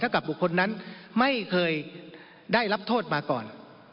กับบุคคลนั้นไม่เคยได้รับโทษมาก่อน